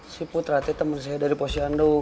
si putra temen saya dari posyandu